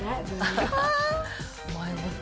前向き。